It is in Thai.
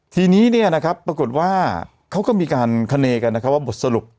ทีนี้เนี่ยนะครับปรากฏว่าเขาก็มีการคาเนกันนะครับว่าบทสรุป